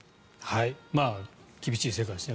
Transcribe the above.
厳しい世界ですね。